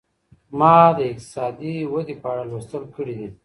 ما د اقتصادي ودي په اړه لوستل کړي دي.